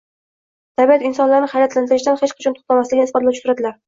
Tabiat insonlarni hayratlantirishdan hech qachon to‘xtamasligini isbotlovchi suratlar